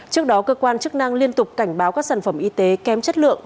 trước đó cơ quan chức năng liên tục cảnh báo các sản phẩm y tế kém chất lượng